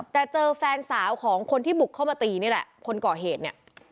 แต่เจอแฟนสาวของคนที่บุกเข้ามาตีนี่แหละคนก่อเหตุเนี่ย